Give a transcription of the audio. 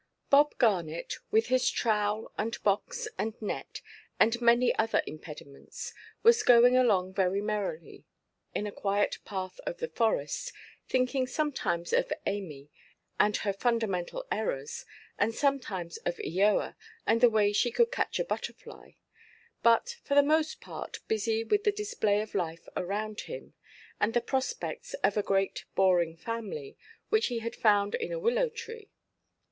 Bob Garnet, with his trowel, and box, and net, and many other impediments, was going along very merrily, in a quiet path of the Forest, thinking sometimes of Amy and her fundamental errors, and sometimes of Eoa, and the way she could catch a butterfly, but for the most part busy with the display of life around him, and the prospects of a great boring family, which he had found in a willow–tree.